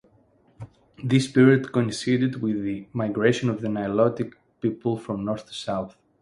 This period coincided with the migration of the Nilotic people from north to south.